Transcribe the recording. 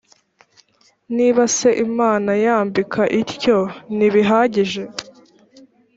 niba se imana yambika ityo ntibihagije